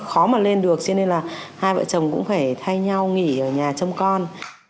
khó mà lên được cho nên là hai vợ chồng cũng phải thay nhau nghỉ ở nhà trông con